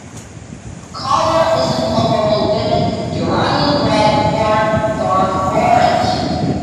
Colour is an overall vivid geranium red or dark orange.